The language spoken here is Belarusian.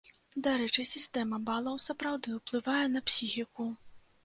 Дарэчы, сістэма балаў сапраўды ўплывае на псіхіку.